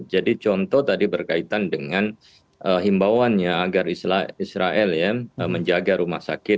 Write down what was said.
jadi contoh tadi berkaitan dengan himbauannya agar israel menjaga rumah sakit